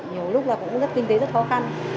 nhiều lúc là cũng rất kinh tế rất khó khăn